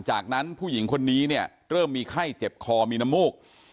จากนั้นผู้หญิงคนนี้เนี่ยเริ่มมีไข้เจ็บคอมีน้ำมูก